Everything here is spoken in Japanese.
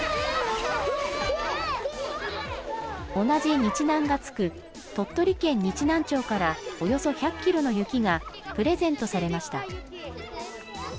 同じ日南が付く鳥取県日南町からおよそ１００キロの雪がプレゼントされました。